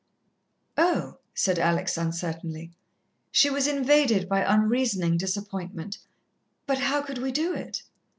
"Oh," said Alex uncertainly. She was invaded by unreasoning disappointment. "But how could we do it?"